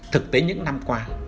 thực tế những năm qua